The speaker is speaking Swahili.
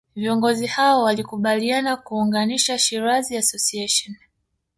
Viongozi hao walikubaliana kuunganisha Shirazi Association